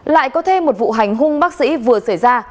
lại có thêm một vụ hành hung bác sĩ vừa xảy ra